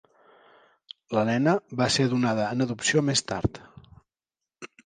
La nena va ser donada en adopció més tard.